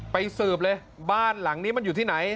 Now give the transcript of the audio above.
สืบเลยบ้านหลังนี้มันอยู่ที่ไหน